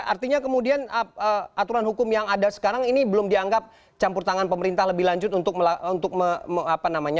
artinya kemudian aturan hukum yang ada sekarang ini belum dianggap campur tangan pemerintah lebih lanjut untuk apa namanya